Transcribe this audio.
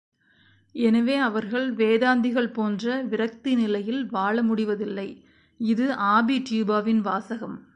எனவே, அவர்கள் வேதாந்திகள் போன்ற விரக்தி நிலையில் வாழ முடிவதில்லை! இது ஆபி டியூபாவின் வாசகம்.